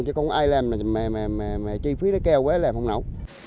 chứ không có ai làm chi phí nó kêu quế làm không nào